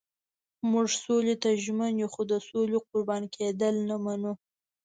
موږ سولې ته ژمن یو خو د سولې قربان کېدل نه منو.